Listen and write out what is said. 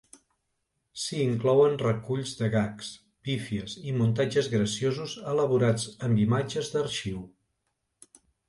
S'hi inclouen reculls de gags, pífies i muntatges graciosos elaborats amb imatges d'arxiu.